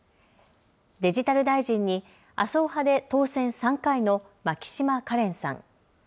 デジタル大臣に麻生派で当選３回の牧島かれんさん。